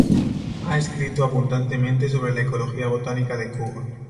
Ha escrito abundantemente sobre la ecología botánica de Cuba.